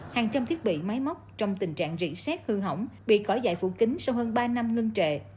hàng trăm thiết bị máy móc trong tình trạng rỉ xét hư hỏng bị cỏi phủ kính sau hơn ba năm ngưng trệ